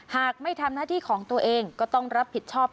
หากไม่ทำหน้าที่ของตัวเองก็ต้องรับผิดชอบ